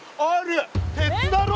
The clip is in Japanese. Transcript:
鉄だろ？